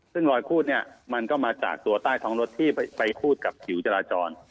ซึ่งรอยพูดใหม่มาจากตัวใต้่ท้องรถที่ไปพูดกับผิวจราจร